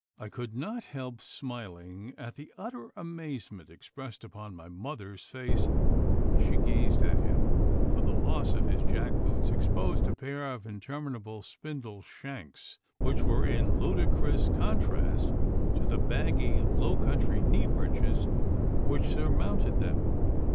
I could not help smiling at the utter amazement expressed upon my mother's face as she gazed at him, for the loss of his jack boots exposed a pair of interminable spindle shanks which were in ludicrous contrast to the baggy low country knee breeches which surmounted them.